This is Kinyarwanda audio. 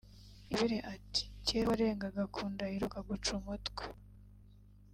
Ingabire ati ”Kera ho warengaga ku ndahiro bakaguca umutwe